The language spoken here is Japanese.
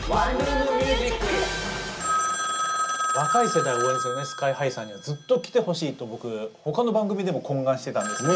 若い世代を応援するＳＫＹ−ＨＩさんにはずっと来てほしいと僕ほかの番組でも懇願してたんですよ。